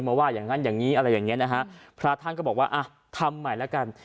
ว่าอย่างงั้นอย่างงี้อะไรอย่างเงี้นะฮะพระท่านก็บอกว่าอ่ะทำใหม่แล้วกัน